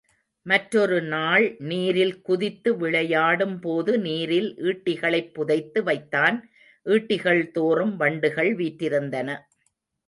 மற்றொரு நாள் நீரில் குதித்து விளையாடும் போது நீரில் ஈட்டிகளைப் புதைத்து வைத்தான், ஈட்டிகள் தோறும் வண்டுகள் வீற்றிருந்தன.